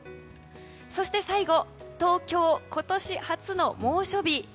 そして最後東京、今年初の猛暑日。